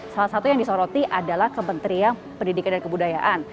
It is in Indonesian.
salah satu yang disoroti adalah kementerian pendidikan dan kebudayaan